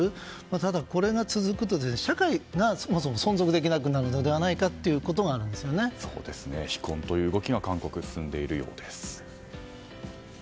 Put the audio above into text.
ただ、これが続くと社会がそもそも存続できなくなるのではないか非婚という動きが韓国では進んでいるようです。